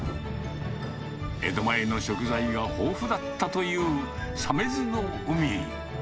江戸前の食材が豊富だったという鮫洲の海。